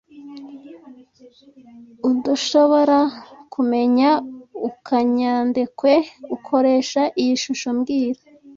Urdushoborakumenya ukanyandekwe ukoresha iyi shusho mbwira